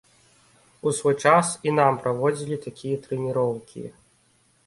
У свой час і нам праводзілі такія трэніроўкі.